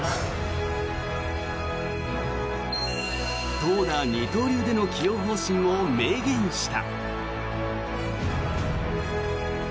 投打二刀流での起用方針を明言した。